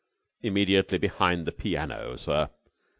"Immediately behind the piano, sir.